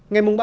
ngày mùng ba